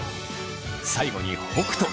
最後に北斗。